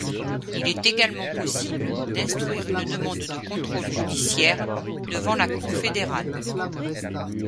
Il est également possible d'instruire une demande de contrôle judiciaire devant la Cour fédéral.